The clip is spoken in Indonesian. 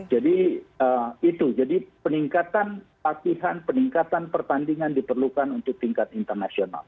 jadi itu jadi peningkatan latihan peningkatan pertandingan diperlukan untuk tingkat internasional